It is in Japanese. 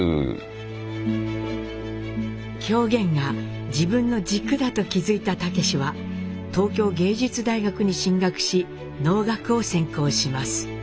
狂言が自分の軸だと気付いた武司は東京藝術大学に進学し能楽を専攻します。